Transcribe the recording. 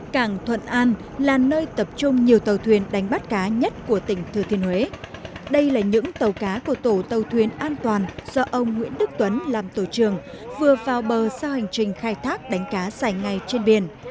cảng thuận an là nơi tập trung nhiều tàu thuyền đánh bắt cá nhất của tỉnh thừa thiên huế đây là những tàu cá của tổ tàu thuyền an toàn do ông nguyễn đức tuấn làm tổ trường vừa vào bờ sau hành trình khai thác đánh cá dài ngày trên biển